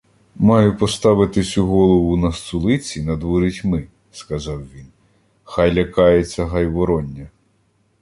— Маю поставити сю голову на сулиці над ворітьми, — сказав він. — Хай лякається гайвороння.